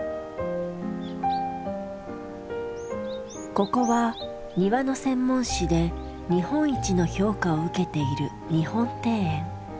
ここは庭の専門誌で日本一の評価を受けている日本庭園。